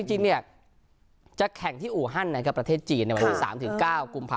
จริงจะแข่งที่อูหั่นประเทศจีนในวัน๓๙กภ